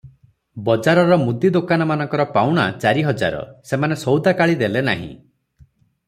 ବଜାରର ମୁଦି ଦୋକାନମାନଙ୍କର ପାଉଣା ଚାରିହଜାର, ସେମାନେ ସଉଦାକାଳି ଦେଲେ ନାହିଁ ।